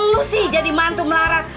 lu sih jadi mantu melarang